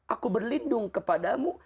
aku berlindung kepadamu